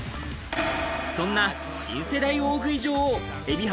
そんな新世代大食い女王・海老原